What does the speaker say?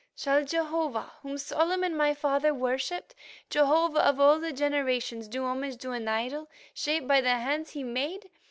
"Shall Jehovah whom Solomon, my father, worshipped, Jehovah of all the generations, do homage to an idol shaped by the hands He made?